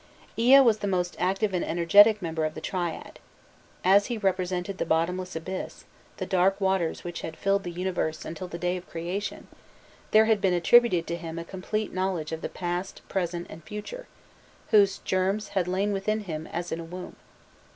Ea was the most active and energetic member of the triad.* As he represented the bottomless abyss, the dark waters which had filled the universe until the day of the creation, there had been attributed to him a complete knowledge of the past, present, and future, whose germs had lain within him, as in a womb.